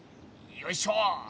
よいしょ。